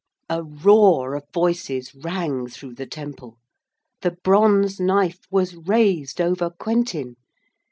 A roar of voices rang through the temple. The bronze knife was raised over Quentin.